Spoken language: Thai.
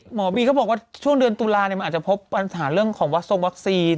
หมอบีก็บอกว่าช่วงเดือนตุลามันอาจจะพบปัญหาเรื่องของวัชงวัคซีน